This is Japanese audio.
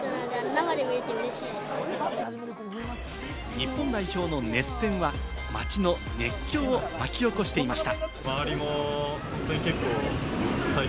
日本代表の熱戦は街の熱狂を巻き起こしていました。